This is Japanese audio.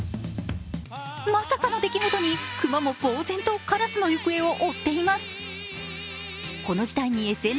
まさかの出来事に熊も、ぼう然とカラスの行方を追っています。